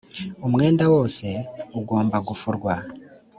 umwenda wose ugomba gufurwa.